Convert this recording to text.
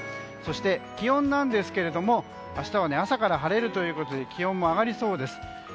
そして気温ですが明日は朝から晴れるということで気温も上がりそうです。